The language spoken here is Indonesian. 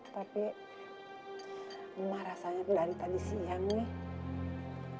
tapi lemah rasanya dari tadi siang nih